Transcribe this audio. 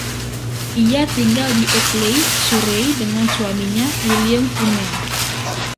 Ia tinggal di Ockley, Surrey dengan suaminya, William Funnell.